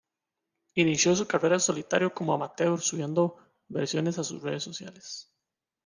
Inició su carrera en solitario como amateur subiendo versiones a sus redes sociales.